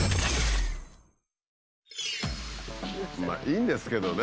まあいいんですけどね。